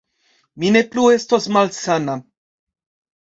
Mi ne plu estos malsana